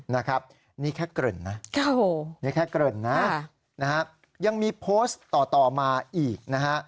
นี่แค่เกริ่นน่ะยังมีโพสต์ต่อมาอีก